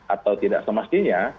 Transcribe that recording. atau tidak semestinya